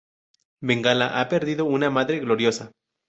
Bengala ha perdido una madre gloriosa.